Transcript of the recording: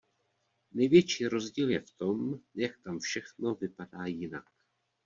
Největší rozdíl je v tom, jak tam všechno vypadá jinak.